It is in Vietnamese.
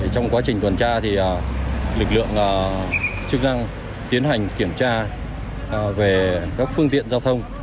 trong quá trình tuần tra lực lượng chức năng tiến hành kiểm tra về các phương tiện giao thông